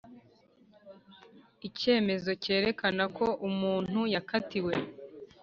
Icyemezo cyerekana ko umuntu yakatiwe